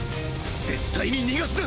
絶対に逃がすな！